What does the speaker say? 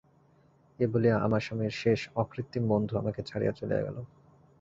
এই বলিয়া আমার স্বামীর শেষ অকৃত্রিম বন্ধু আমাকে ছাড়িয়া চলিয়া গেল।